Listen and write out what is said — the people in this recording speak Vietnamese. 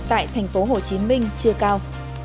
tại thành phố hồ chí minh chưa cao